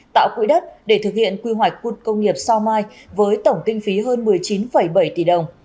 tạo quỹ đất để thực hiện quy hoạch khu công nghiệp sao mai với tổng kinh phí hơn một mươi chín bảy tỷ đồng